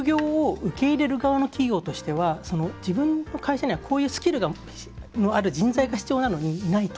副業を受け入れる側の企業としては自分の会社にはこういうスキルがある人材が必要なのにいないと。